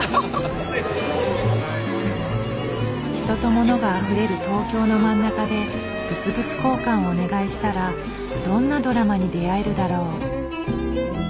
人とモノがあふれる東京の真ん中で物々交換をお願いしたらどんなドラマに出会えるだろう？